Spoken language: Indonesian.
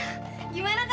pergi kau berantung